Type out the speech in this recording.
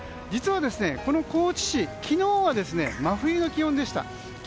実は、高知市、昨日は真冬の気温でした。